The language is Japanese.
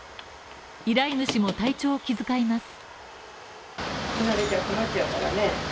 依頼主も体調を気遣います。